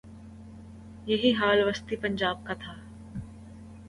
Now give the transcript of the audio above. یہی حال وسطی پنجاب کا تھا۔